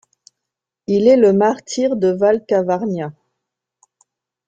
Il est le martyr de Val Cavargna.